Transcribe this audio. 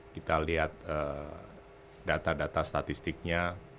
kita lihat data data statistiknya